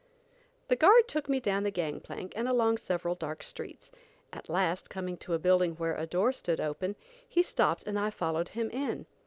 The guard took me down the gang plank, and along several dark streets. At last, coming to a building where a door stood open, he stopped and I followed him in.